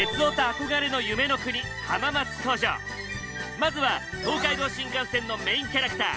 まずは東海道新幹線のメインキャラクター